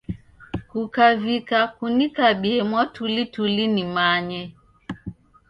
Kukavika kunikabie mwatulituli nimanye.